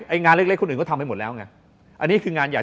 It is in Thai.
งานเล็กคนอื่นก็ทำให้หมดแล้วไงอันนี้คืองานใหญ่